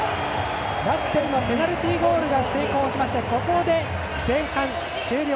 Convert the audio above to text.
ラッセルのペナルティーゴールが成功しましてここで前半終了。